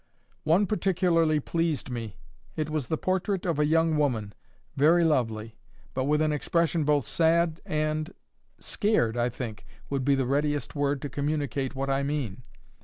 One particularly pleased me. It was the portrait of a young woman—very lovely—but with an expression both sad and—scared, I think, would be the readiest word to communicate what I mean.